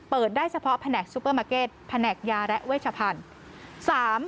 ได้เฉพาะแผนกซูเปอร์มาร์เก็ตแผนกยาและเวชพันธุ์